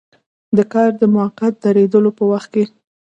د کار د موقت دریدلو په وخت کې.